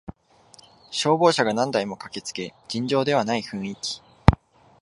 消防車が何台も駆けつけ尋常ではない雰囲気